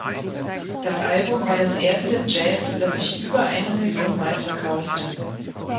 Das Album war das erste im Jazz, dass sich über eine Million Mal verkaufte.